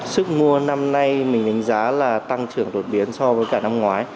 sức mua năm nay mình đánh giá là tăng trưởng đột biến so với cả năm ngoái